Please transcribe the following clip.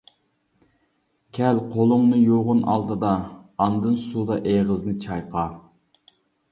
كەل قولۇڭنى يۇغىن ئالدىدا، ئاندىن سۇدا ئېغىزنى چايقا.